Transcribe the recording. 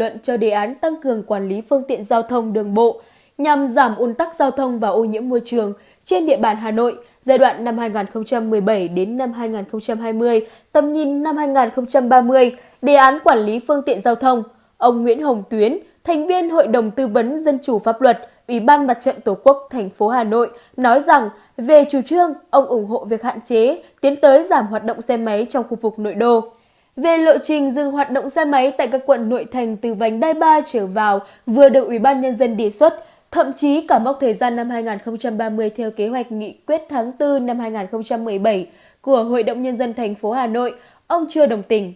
nhờ được ủy ban nhân dân địa xuất thậm chí cả mốc thời gian năm hai nghìn ba mươi theo kế hoạch nghị quyết tháng bốn năm hai nghìn một mươi bảy của hội động nhân dân thành phố hà nội ông chưa đồng tình